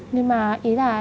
nhưng mà ý là